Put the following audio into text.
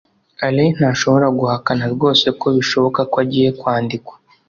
alain ntashobora guhakana rwose ko bishoboka ko agiye kwandikwa